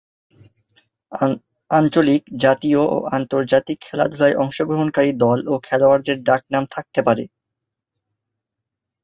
আঞ্চলিক, জাতীয় ও আন্তর্জাতিক খেলাধুলায় অংশগ্রহণকারী দল ও খেলোয়াড়দের ডাকনাম থাকতে পারে।